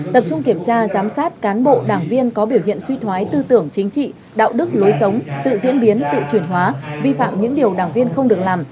tập trung kiểm tra giám sát cán bộ đảng viên có biểu hiện suy thoái tư tưởng chính trị đạo đức lối sống tự diễn biến tự chuyển hóa vi phạm những điều đảng viên không được làm